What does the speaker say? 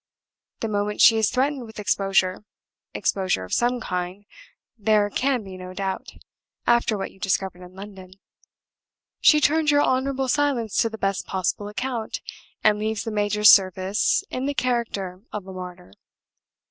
The moment she is threatened with exposure exposure of some kind, there can be no doubt, after what you discovered in London she turns your honorable silence to the best possible account, and leaves the major's service in the character of a martyr.